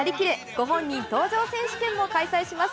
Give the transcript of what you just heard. ご本人登場選手権も開催します。